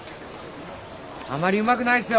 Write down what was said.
あんまりうまくないっすよ。